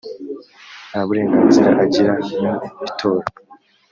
nta burenganzira agira mu itora